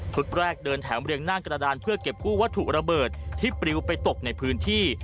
แรกเดินแถมเรียงหน้ากระดานเพื่อเก็บกู้วัตถุระเบิดที่ปลิวไปตกในพื้นที่